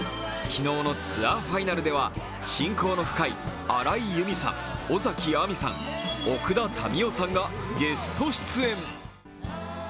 昨日のツアーファイナルでは親交の深い荒井由実さん、尾崎亜美さん奥田民生さんがゲスト出演。